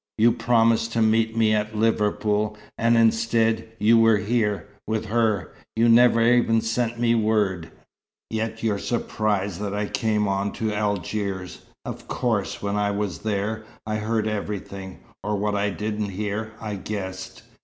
You promised to meet me at Liverpool and instead, you were here with her. You never even sent me word. Yet you're surprised that I came on to Algiers. Of course, when I was there, I heard everything or what I didn't hear, I guessed.